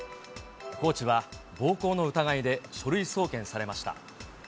コーチは、暴行の疑いで書類送検されました。